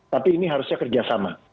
tapi ini harusnya kerjasama